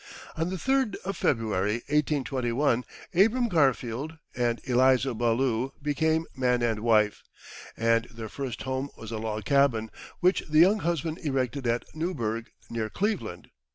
On the third of February 1821, Abram Garfield and Eliza Ballou became man and wife, and their first home was a log cabin, which the young husband erected at Newburg, near Cleveland.